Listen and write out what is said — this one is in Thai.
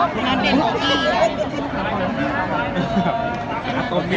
สินค้าก็งานเด้นของข้า